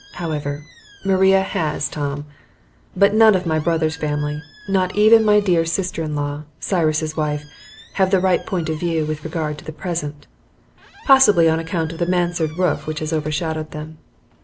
However, Maria HAS Tom. But none of my brother's family, not even my dear sister in law, Cyrus's wife, have the right point of view with regard to the present, possibly on account of the mansard roof which has overshadowed them.